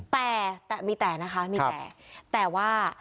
แต่มีแต่นะคะแต่ว่า